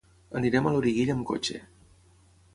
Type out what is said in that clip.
Anirem a Loriguilla amb cotxe.